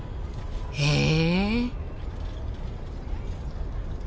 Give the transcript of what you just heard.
へえ。